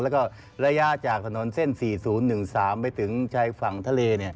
แล้วก็ระยะจากถนนเส้น๔๐๑๓ไปถึงชายฝั่งทะเล